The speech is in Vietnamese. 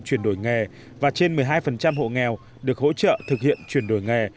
chuyển đổi nghề và trên một mươi hai hộ nghèo được hỗ trợ thực hiện chuyển đổi nghề